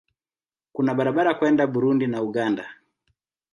Kuna barabara kwenda Burundi na Uganda.